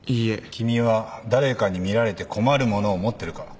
君は誰かに見られて困るものを持ってるか？